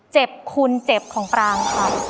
เจ็บคุณเจ็บของปรางค่ะ